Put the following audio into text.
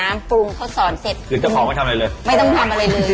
ไม่ต้องทำอะไรเลย